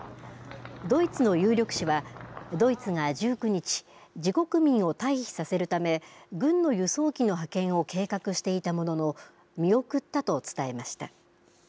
ドイツの有力紙はドイツが１９日自国民を退避させるため軍の輸送機の派遣を計画していたものの見送ったと伝えました。